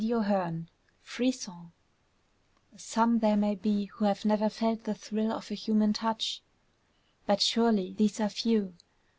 Frisson Some there may be who have never felt the thrill of a human touch; but surely these are few!